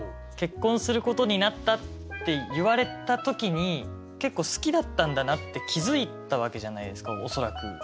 結婚することになったって言われた時に結構好きだったんだなって気付いたわけじゃないですか恐らく。